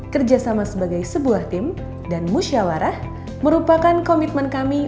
kerjasama sebagai sebuah tim dan musyawarah merupakan komitmen kami